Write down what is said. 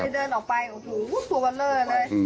เดินออกไปโอ้โหสูบเบลอเลย